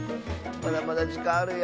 まだまだじかんあるよ。